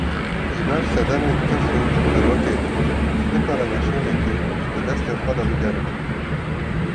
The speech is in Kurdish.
Ji ber sedemên tirs û herwekî din, nikare weşanekê di destê xwe de bigerîne